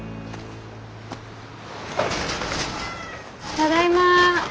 ただいま。